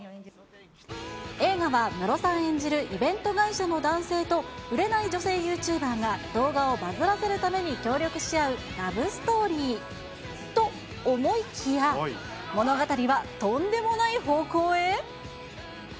映画はムロさん演じるイベント会社の男性と、売れない女性ユーチューバーが、動画をバズらせるために協力し合うラブストーリーと思いきや、物語はとんでもない方向へ。